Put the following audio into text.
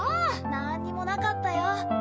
なんにもなかったよ。